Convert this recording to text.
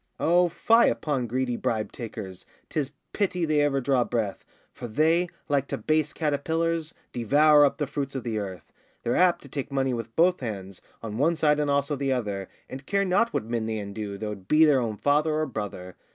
O fie upon greedy bribe takers, 'Tis pity they ever drew breath, For they, like to base caterpillars, Devour up the fruits of the earth. They're apt to take money with both hands, On one side and also the other, And care not what men they undo, Though it be their own father or brother.